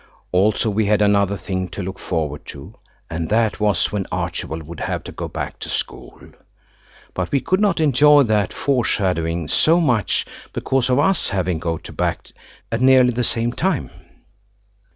Also we had another thing to look forward to, and that was when Archibald would have to go back to school. But we could not enjoy that foreshadowing so much because of us having to go back at nearly the same time.